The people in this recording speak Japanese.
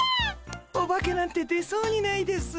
オバケなんて出そうにないです。